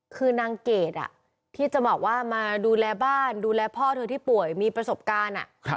คือนางเกดที่จะบอกว่ามาดูแลบ้านดูแลพ่อเธอที่ป่วยมีประสบการณ์